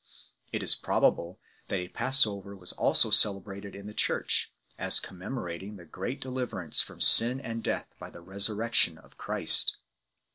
It is probable tha,t a Pass over was also celebrated in the Church, as commemorating the great deliverance from sin and death by the Resurrec tion of Christ 7